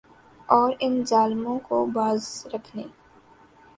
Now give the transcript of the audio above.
اور ان ظالموں کو باز رکھنے